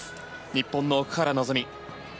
日本の奥原希望。